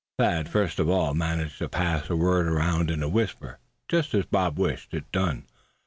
Thad, first of all, managed to pass the word around in a whisper, just as Bob wished it done.